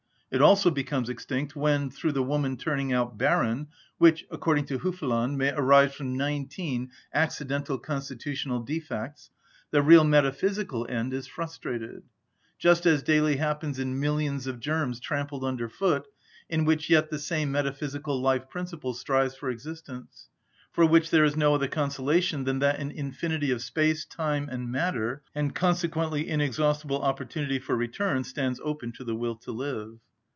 It also becomes extinct when, through the woman turning out barren (which, according to Hufeland, may arise from nineteen accidental constitutional defects), the real metaphysical end is frustrated; just as daily happens in millions of germs trampled under foot, in which yet the same metaphysical life principle strives for existence; for which there is no other consolation than that an infinity of space, time, and matter, and consequently inexhaustible opportunity for return, stands open to the will to live.